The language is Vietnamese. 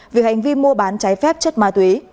về hành vi mua bán cháy phép chất ma túy